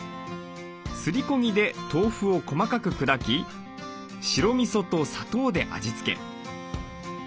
すりこぎで豆腐を細かく砕き白みそと砂糖で味付け。